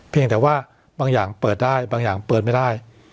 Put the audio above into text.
เพียงแต่ว่าบางอย่างเปิดได้บางอย่างเปิดไม่ได้